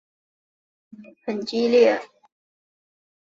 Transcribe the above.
关于过氧化物酶体是否参与类萜和动物胆固醇合成的争论很激烈。